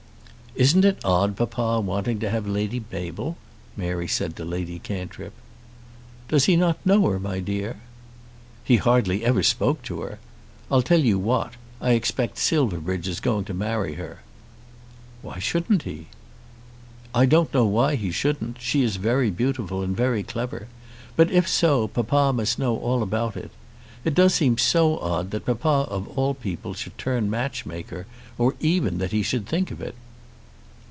"Isn't it odd papa wanting to have Lady Mabel?" Mary said to Lady Cantrip. "Does he not know her, my dear?" "He hardly ever spoke to her. I'll tell you what; I expect Silverbridge is going to marry her." "Why shouldn't he?" "I don't know why he shouldn't. She is very beautiful, and very clever. But if so, papa must know all about it. It does seem so odd that papa of all people should turn match maker, or even that he should think of it."